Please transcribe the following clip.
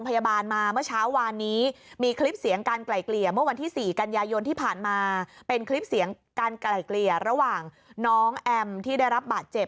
เป็นคลิปเสียงการไกล่เกลี่ยระหว่างน้องแอมที่ได้รับบาดเจ็บ